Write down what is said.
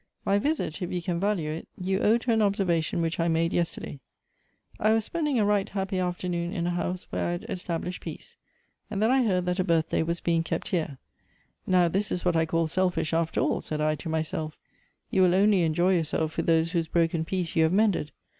" My visit, if you can value it, you owe to an observa tion which I made yesterday. I was spending a right happy afternoon in a house where I had established peace, and then I heard that a birthday was being kept here. Now this Ls what I call selfish, after all, said I to myself: you will only enjoy yourself with those whose broken peace you have mended.